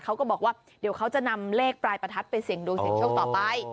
เขาก็บอกว่าเดี๋ยวเขาจะนำเลขปลายประทัดไปเสี่ยงดวงเสียงโชคต่อไป